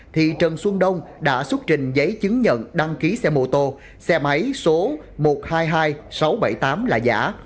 thì trần xuân đông đã xuất trình giấy chứng nhận đăng ký xe mô tô xe máy số một trăm hai mươi hai nghìn sáu trăm bảy mươi tám là giả